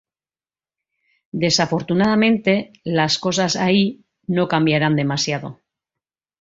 Desafortunadamente, las cosas ahí no cambiarán demasiado.